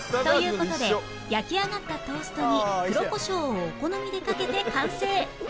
事で焼き上がったトーストに黒こしょうをお好みでかけて完成